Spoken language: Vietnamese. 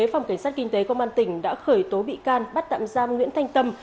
phòng cảnh sát kinh tế công an tỉnh đã khởi tố bị can bắt tạm giam nguyễn thanh tâm